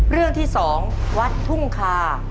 เรื่องที่๒วัดทุ่งคา